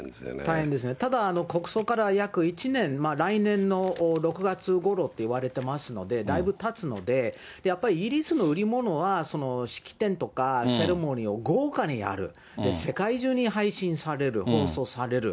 ただ、国葬から約１年、来年の６月ごろっていわれてますので、だいぶたつので、やっぱりイギリスの売り物は、式典とか、セレモニーを豪華にやる、世界中に配信される、放送される。